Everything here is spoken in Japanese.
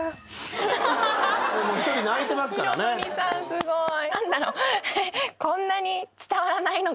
すごい。